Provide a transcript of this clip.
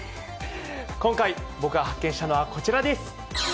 今回、僕が発見したのはこちらです。